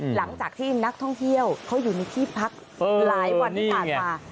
หลังจากที่นักท่องเที่ยวเขาอยู่ในที่พักหลายวันที่ผ่านมา